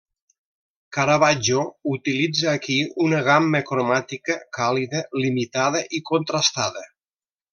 Caravaggio utilitza aquí una gamma cromàtica càlida, limitada i contrastada.